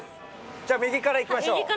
じゃ右からいきましょう。